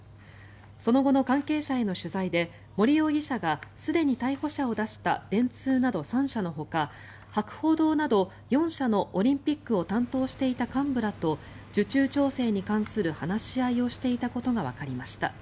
その後の関係者への取材で森容疑者がすでに逮捕者を出した電通など３社のほか博報堂など４社のオリンピックを担当していた幹部らと受注調整に関する話し合いをしていたことがわかりました。